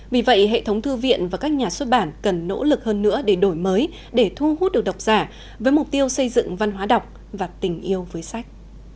vì vậy hệ thống thư viện và các nhà xuất bản cần nỗ lực hơn nữa để đổi mới để thu hút được đọc giả với mục tiêu xây dựng văn hóa đọc và tình yêu với sách